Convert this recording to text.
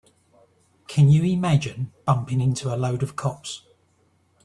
Can you imagine bumping into a load of cops?